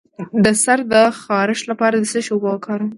د سر د خارښ لپاره د څه شي اوبه وکاروم؟